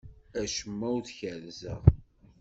Acemma ur t-kerrzeɣ.